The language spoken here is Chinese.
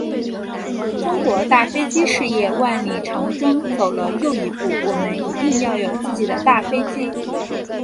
中国大飞机事业万里长征走了又一步，我们一定要有自己的大飞机。